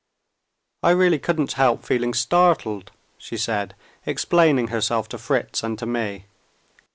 "I really couldn't help feeling startled," she said, explaining herself to Fritz and to me.